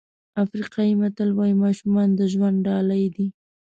افریقایي متل وایي ماشومان د ژوند ډالۍ دي.